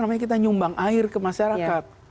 namanya kita nyumbang air ke masyarakat